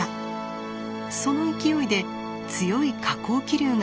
その勢いで強い下降気流が発生します。